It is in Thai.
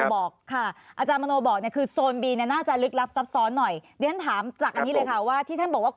บอกค่ะอาจารย์มโครบอกดีคือทนตรวจค้นตรวจใบนี้ครับ